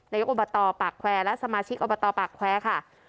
อบตปากแควร์และสมาชิกอบตปากแควร์ค่ะ